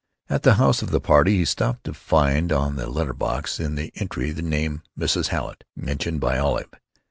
At the house of the party he stopped to find on the letter box in the entry the name "Mrs. Hallet," mentioned by Olive.